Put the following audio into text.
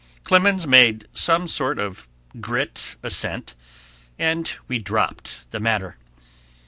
Clemens made some sort of grit assent, and we dropped the matter.